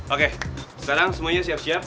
oke sekarang semuanya siap siap